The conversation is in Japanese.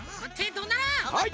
どうなる？